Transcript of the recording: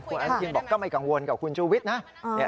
คุณอนุทินบอกก็ไม่กังวลกับคุณชูวิทย์นะ